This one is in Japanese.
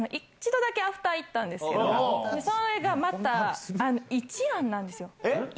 １度だけアフター行ったんですけれども、それがまた、一蘭なんですよ。